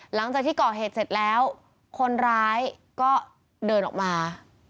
หลังจากที่ก่อเหตุเสร็จแล้วคนร้ายก็เดินออกมา